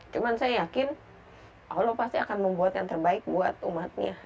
cuma saya yakin allah pasti akan membuat yang terbaik buat umatnya